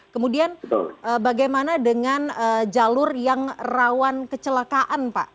kemudian bagaimana dengan jalur yang rawan kecelakaan pak